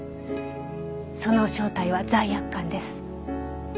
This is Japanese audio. その正体は罪悪感です。